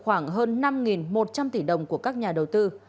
khoảng hơn năm một trăm linh tỷ đồng của các nhà đầu tư